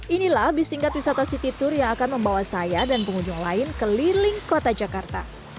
inilah bis tingkat wisata city tour yang akan membawa saya dan pengunjung lain keliling kota jakarta